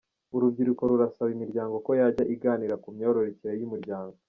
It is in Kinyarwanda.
Urubyiruko rurasaba imiryango ko yajya iganira ku myororokere y’umuryango.